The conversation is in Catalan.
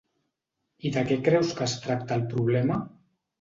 I de què creus que es tracta el problema?